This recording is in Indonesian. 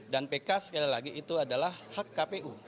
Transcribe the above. dan pk sekali lagi itu adalah hak kpu